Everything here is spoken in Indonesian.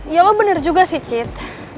ya lu bener juga sih cid